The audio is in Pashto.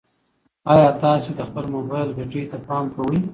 ایا تاسي د خپل موبایل بیټرۍ ته پام کوئ؟